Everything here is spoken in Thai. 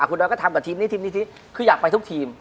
คุณดอยก็ทำกับทีมนี้ทีมนี้ทีมคืออยากไปทุกทีม